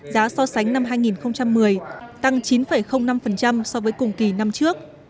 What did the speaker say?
giá so sánh năm hai nghìn một mươi tăng chín năm so với cùng kỳ năm trước